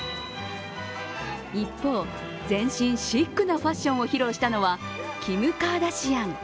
一方、全身シックなファッションを披露したのはキム・カーダシアン。